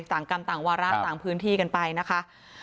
ต่างกรรมต่างวาระต่างพื้นที่กันไปนะคะ